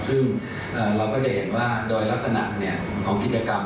ซึ่งเราก็จะเห็นว่าโดยลักษณะของกิจกรรม